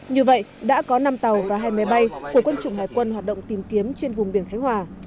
như vậy đã có năm tàu và hai máy bay của quân chủng hải quân hoạt động tìm kiếm trên vùng biển khánh hòa